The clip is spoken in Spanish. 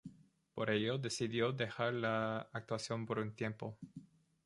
Por ello decidió dejar la actuación por un tiempo.